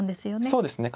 そうですね。